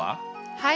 はい。